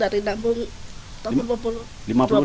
dari nabung tahun dua puluh